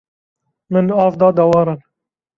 Min av da dewaran.